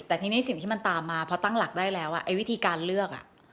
แต่ทีนี้สิ่งที่มันตามมาพอตั้งหลักได้แล้วไอ้วิธีการเลือก